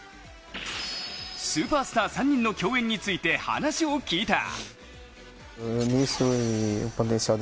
スーパースター３人の共演について、話を聞いた。